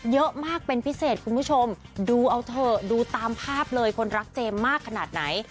เยอะมากเป็นพิเศษคุณผู้ชมดูเอาเถอะดูตามภาพเลยคนรักเจมส์มากขนาดไหน